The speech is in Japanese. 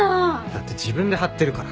だって自分で貼ってるから。